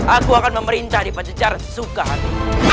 aku akan memerintah di pencejaran sesuka hari